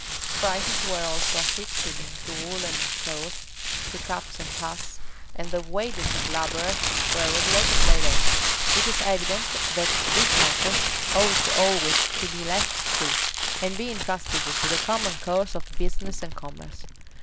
Prices were also affixed to woollen cloth,[] to caps and hats:[v] and the wages of laborers were regulated by law.[v*] It is evident, that these matters ought always to be left free, and be intrusted to the common course of business and commerce.